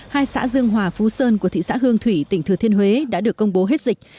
hai xã dương hòa phú sơn của thị xã hương thủy tỉnh thừa thiên huế đã được công bố hết dịch